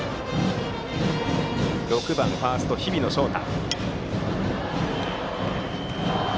バッターは６番ファースト、日比野翔太。